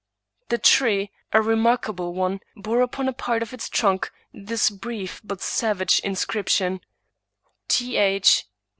The tree, a remarkable one, bore upon a part of its trunk this brief but savage inscription: —" T. H.